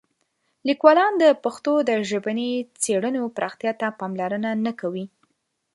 لیکوالان د پښتو د ژبني څېړنو پراختیا ته پاملرنه نه کوي.